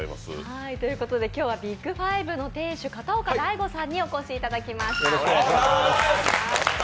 今日はビッグファイブの店主、片岡大豪さんにお越しいただきました。